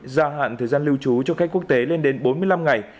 gia hạn thời gian lưu trú cho khách quốc tế lên đến bốn mươi năm ngày